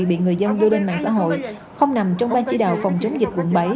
bị người dân đưa lên mạng xã hội không nằm trong ban chỉ đạo phòng chống dịch quận bảy